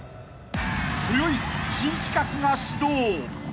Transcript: ［こよい新企画が始動］